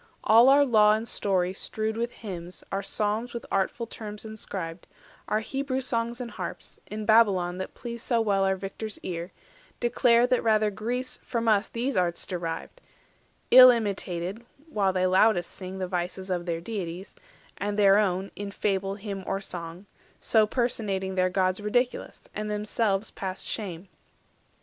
All our Law and Story strewed With hymns, our Psalms with artful terms inscribed, Our Hebrew songs and harps, in Babylon That pleased so well our victor's ear, declare That rather Greece from us these arts derived— Ill imitated while they loudest sing The vices of their deities, and their own, 340 In fable, hymn, or song, so personating Their gods ridiculous, and themselves past shame.